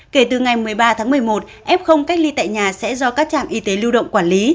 kể từ ngày một mươi ba tháng một mươi một f cách ly tại nhà sẽ do các trạm y tế lưu động quản lý